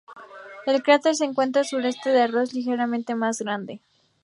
El cráter se encuentra al sureste de Ross, ligeramente más grande.